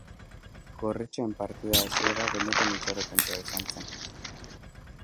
Gorritxoen partida hasiera benetan itxaropentsua izan zen.